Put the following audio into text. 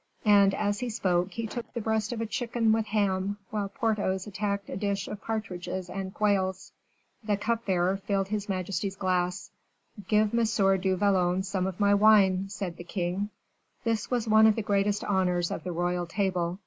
And as he spoke, he took the breast of a chicken with ham, while Porthos attacked a dish of partridges and quails. The cup bearer filled his majesty's glass. "Give M. du Vallon some of my wine," said the king. This was one of the greatest honors of the royal table.